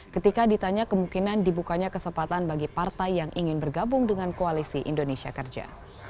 ketika ditanya kemungkinan dibukanya kesempatan bagi partai yang ingin bergabung dengan koalisi indonesia kerja